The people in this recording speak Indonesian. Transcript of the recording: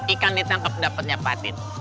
ikan ditangkap dapatnya batin